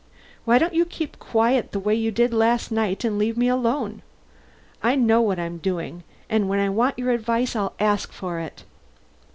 Why don't you keep quiet the way you did last night, and leave me alone? I know what I'm doing, and when I want your advice I'll ask for it."